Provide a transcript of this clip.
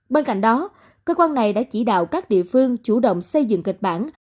bên cạnh đó cơ quan này đã chỉ đạo các địa phương chủ động xây dựng kịch bản